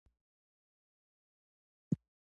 پل علم ښار کوم سیند لري؟